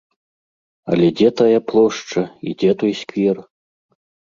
Але дзе тая плошча і дзе той сквер?